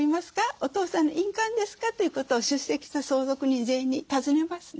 お父さんの印鑑ですか？」ということを出席した相続人全員に尋ねますね。